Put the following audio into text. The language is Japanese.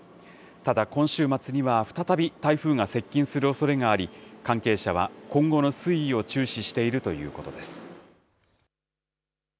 ただ、今週末には再び台風が接近するおそれがあり、関係者は今後の推移を注視しているということです。